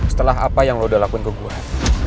setelah apa yang lo udah lakuin ke gua